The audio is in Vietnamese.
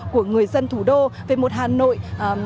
của người dân thủ đô về một hà nội